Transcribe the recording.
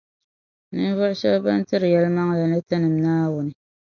Ninvuɣu shεba ban tiri yεlimaŋli ni Tinim’ Naawuni